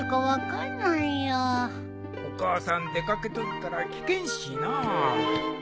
お母さん出掛けとるから聞けんしなあ。